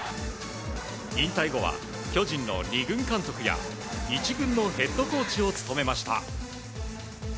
引退後は巨人の２軍監督や１軍のヘッドコーチを務めました。